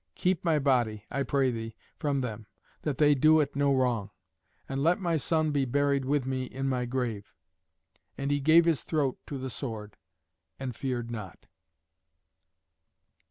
Keep my body, I pray thee, from them, that they do it no wrong. And let my son be buried with me in my grave." And he gave his throat to the sword, and feared not.